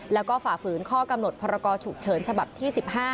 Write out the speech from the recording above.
แล้วก็ฝ่าฝืนข้อกำหนดพรกรฉุกเฉินฉบับที่๑๕